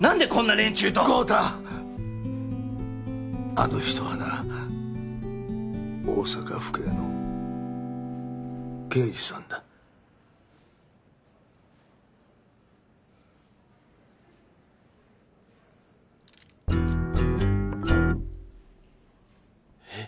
あの人はな大阪府警の刑事さんだ。えっ？